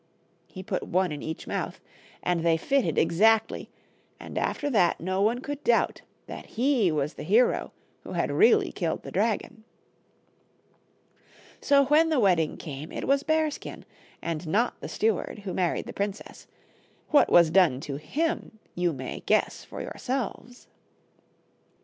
He put one in each mouth, and they fitted exactly, and after that no one could doubt that he was the hero who had really killed the dragon. So when the wedding came it was Bearskin, and not the steward, who married the princess ; what was done to him you may guess for yourselves.